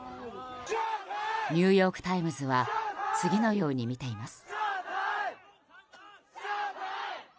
ニューヨーク・タイムズは次のように見ています。